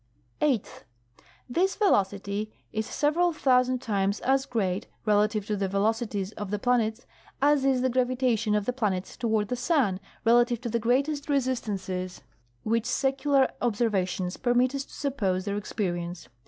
Highth. This velocity is several thousand times as great, relative to the velocities of the planets, as is the gravitation of the planets toward the sun relative to the greatest resistances which secular observations permit us to suppose they experience.